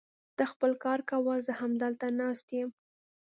ته خپل کار کوه، زه همدلته ناست يم.